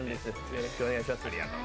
よろしくお願いします